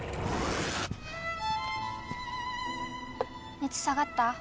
熱下がった？